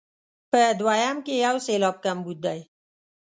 په دوهم کې یو سېلاب کمبود دی.